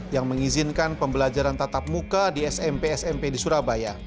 yang mengizinkan pembelajaran tatap muka di smp smp di surabaya